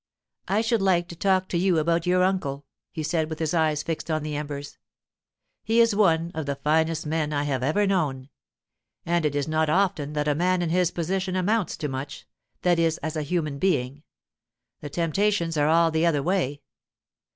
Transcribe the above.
'I should like to talk to you about your uncle,' he said, with his eyes fixed on the embers. 'He is one of the finest men I have ever known. And it is not often that a man in his position amounts to much—that is, as a human being; the temptations are all the other way.